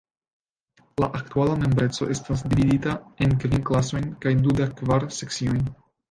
La aktuala membreco estas dividita en kvin klasojn kaj dudek kvar sekciojn.